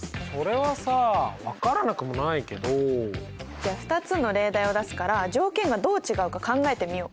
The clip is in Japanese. じゃあ２つの例題を出すから条件がどう違うか考えてみよう。